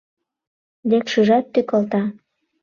Лекшыжат тӱкалта